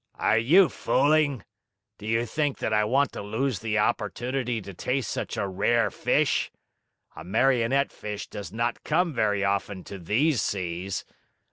"Are you fooling? Do you think that I want to lose the opportunity to taste such a rare fish? A Marionette fish does not come very often to these seas.